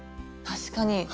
確かに。